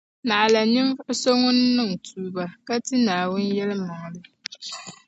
Naɣila ninvuɣu so ŋun niŋ tuuba, ka ti Naawuni yεlimaŋli.